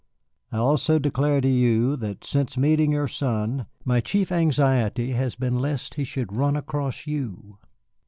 "I also declare to you that, since meeting your son, my chief anxiety has been lest he should run across you."